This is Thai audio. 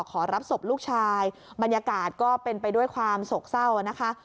ขอรับศพลูกชายบรรยากาศก็เป็นไปด้วยความโศกเศร้านะคะ